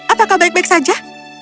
apakah baik baik saja